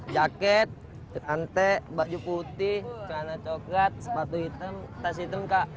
jaket antek baju putih celana coklat sepatu hitam tas hitam kak